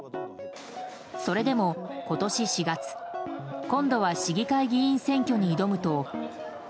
それでも今年４月今度は市議会議員選挙に挑むと。